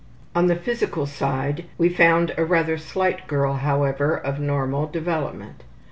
On the physical side we found a rather slight girl, however, of normal development.